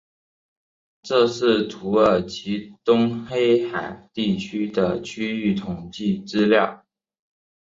这是土耳其东黑海地区的区域统计资料。